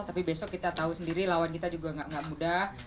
tapi besok kita tahu sendiri lawan kita juga nggak mudah